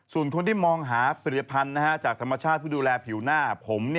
ส่วนคนที่มองหาผลิตภัณฑ์จากธรรมชาติผู้ดูแลผิวหน้าผม